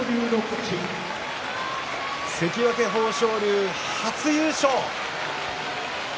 関脇豊昇龍、初優勝。